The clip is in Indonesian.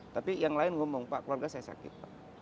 tapi yang lain ngomong pak keluarga saya sakit pak